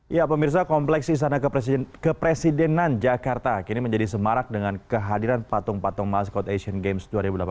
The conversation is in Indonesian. ya pemirsa kompleks istana kepresidenan jakarta kini menjadi semarak dengan kehadiran patung patung maskot asian games dua ribu delapan belas